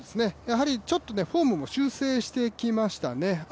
ちょっとフォームも修正してきましたね